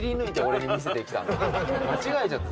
間違えちゃった。